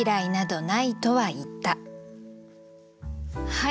はい！